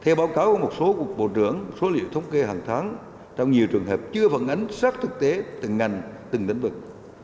theo báo cáo của một số cục bộ trưởng số liệu thống kê hàng tháng trong nhiều trường hợp chưa phản ánh sát thực tế từng ngành từng lĩnh vực